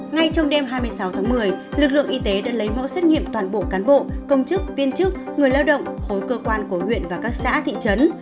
ngay trong đêm hai mươi sáu tháng một mươi lực lượng y tế đã lấy mẫu xét nghiệm toàn bộ cán bộ công chức viên chức người lao động khối cơ quan của huyện và các xã thị trấn